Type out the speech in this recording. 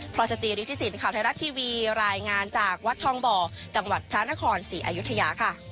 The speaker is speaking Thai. พรสจิริธิสินข่าวไทยรัฐทีวีรายงานจากวัดทองบ่อจังหวัดพระนครศรีอยุธยาค่ะ